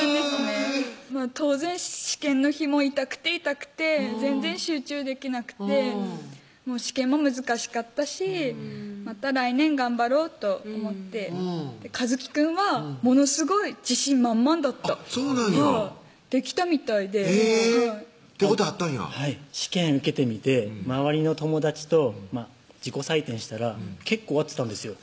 えぇ当然試験の日も痛くて痛くて全然集中できなくて試験も難しかったしまた来年頑張ろうと思って一紀くんはものすごい自信満々だったそうなんやはいできたみたいで手応えあったんやはい試験受けてみて周りの友達と自己採点したら結構合ってたんですよ